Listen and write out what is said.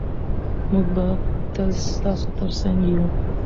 موږ به تل ستاسو ترڅنګ یو.